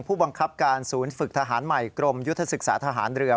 ผู้บังคับการศูนย์ฝึกทหารใหม่กรมยุทธศึกษาทหารเรือ